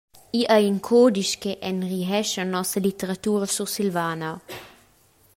Igl ei in cudisch che enrihescha nossa litteratura sursilvana.